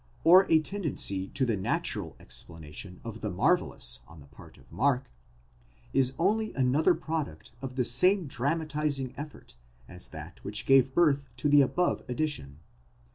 * or a tendency to the natural explanation of the marvellous on the part of Mark, is only another product of the same drama tising effort as that which gave birth to the above addition.